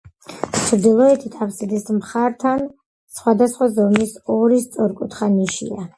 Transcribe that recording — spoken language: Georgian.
ჩრდილოეთით, აფსიდის მხართან, სხვადასხვა ზომის ორი სწორკუთხა ნიშია.